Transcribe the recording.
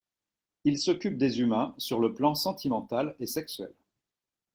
Il s’occupe des humains sur le plan sentimental et sexuel.